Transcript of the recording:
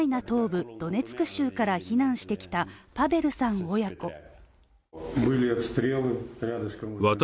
東部ドネツク州から避難してきたパベルさん親子。